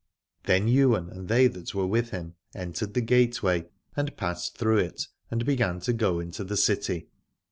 Then Ywain and they that were with him entered the gateway and passed through it, and began to go into the city.